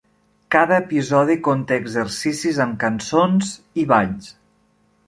Cada episodi conté exercicis amb cançons i balls.